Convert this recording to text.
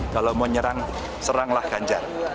kalau mau nyerang seranglah ganjar